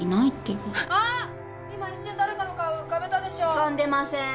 浮かんでません。